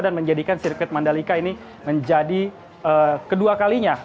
dan menjadikan sirkuit mandalika ini menjadi kedua kalinya